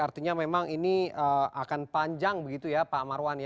artinya memang ini akan panjang begitu ya pak marwan